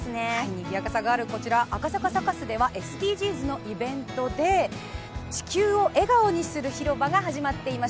にぎやかさがあるこちら、赤坂サカスではＳＤＧｓのイベントで「地球を笑顔にする広場」が始まっています。